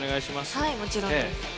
はいもちろんです。